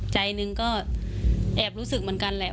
ใจหนึ่งก็แอบรู้สึกเหมือนกันแหละ